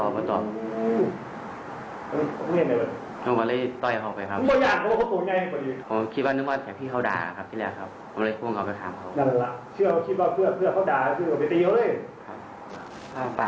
เพื่อเขาไปถามเขา